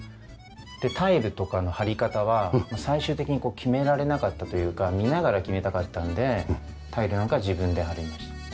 タイルとかの貼り方は最終的に決められなかったというか見ながら決めたかったんでタイルなんかは自分で貼りました。